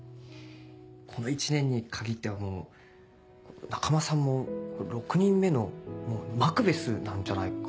この１年に限ってはもう中浜さんも６人目のマクベスなんじゃないか。